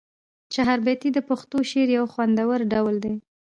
چهاربیتې د پښتو شعر یو خوندور ډول دی.